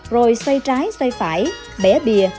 rồi xoay trái xoay phải bẻ bìa